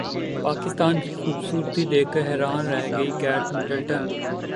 پاکستان کی خوبصورتی دیکھ کر حیران رہ گئی کیٹ مڈلٹن